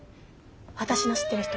私の知ってる人？